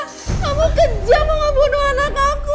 kamu kejam mau bunuh anak aku